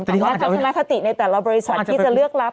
แต่ว่าทัศนคติในแต่ละบริษัทที่จะเลือกรับ